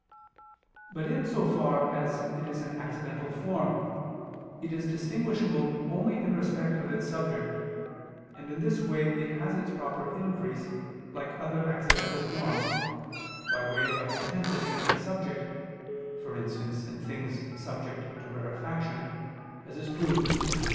But in so far as it is an accidental form, it is distinguishable only in respect of its subject, and in this way it has its proper increase, like other accidental forms, by way of intensity in its subject, for instance in things subject to rarefaction, as is proved in _Phys.